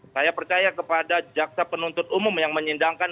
saya percaya kepada jaksa penuntut umum yang menyindangkan